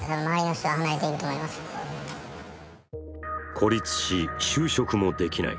孤立し、就職もできない。